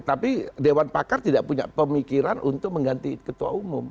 tapi dewan pakar tidak punya pemikiran untuk mengganti ketua umum